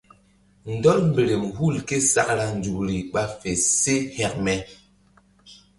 Ndɔl mberem hul ké sakra nzukri ɓa fe se hekme.